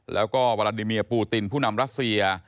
แล้วก็วาลาดิเมียปูตินผู้นำรัสเซีย